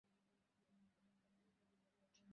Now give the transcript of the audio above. তিনি দ্বিতীয়বার হজ্জ করেন।